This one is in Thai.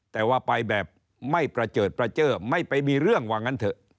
แต่ว่าไปแบบไม่ประเจิดประเจอไม่ไปมีเรื่องว่างั้นเถอะ